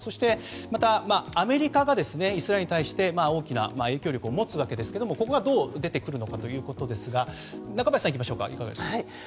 またアメリカがイスラエルに対して大きな影響力を持つわけですがここがどう出てくるのかということですが中林さん、いかがでしょうか。